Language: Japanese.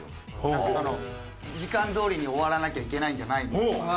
なんかその時間どおりに終わらなきゃいけないんじゃないの？とか。